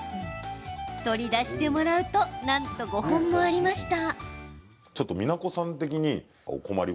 取り出してもらうとなんと５本もありました。